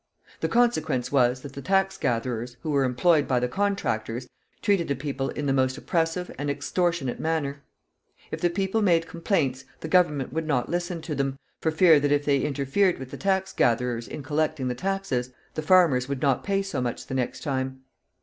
The consequence was, that the tax gatherers, who were employed by the contractors, treated the people in the most oppressive and extortionate manner. If the people made complaints, the government would not listen to them, for fear that if they interfered with the tax gatherers in collecting the taxes, the farmers would not pay so much the next time.